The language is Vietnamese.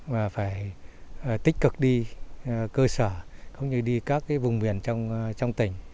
và phải tích cực đi cơ sở cũng như đi các vùng miền trong tỉnh